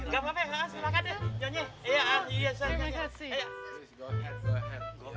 gak apa apa ya silakan ya